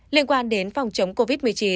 liên quan đến phòng chống covid một mươi chín